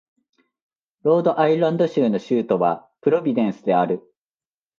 ロードアイランド州の州都はプロビデンスである